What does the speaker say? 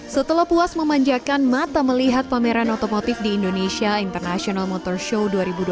setelah puas memanjakan mata melihat pameran otomotif di indonesia international motor show